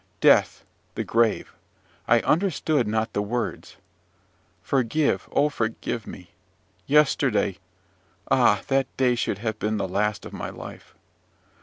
Death! the grave! I understand not the words. Forgive, oh, forgive me! Yesterday ah, that day should have been the last of my life!